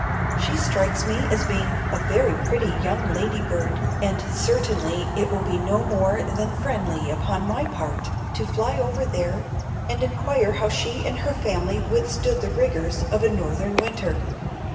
She strikes me as being a very pretty young lady bird, and certainly it will be no more than friendly upon my part to fly over there and inquire how she and her family withstood the rigors of a Northern winter."